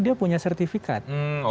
dia punya sertifikat